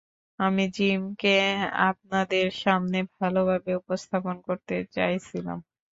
আমি জিমকে আপনাদের সামনে ভালোভাবে উপস্থাপন করতে চাইছিলাম।